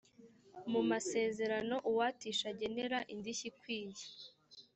mu masezerano uwatisha agenera indishyi ikwiye